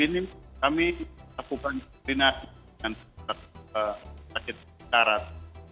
ini kami lakukan penelitian dengan paket syarat